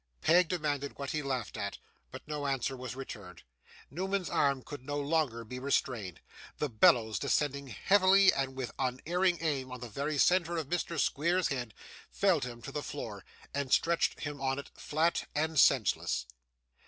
Peg demanded what he laughed at, but no answer was returned. Newman's arm could no longer be restrained; the bellows, descending heavily and with unerring aim on the very centre of Mr. Squeers's head, felled him to the floor, and stretched him on it flat and senseless.